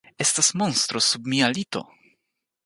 Estas monstro sub mia lito.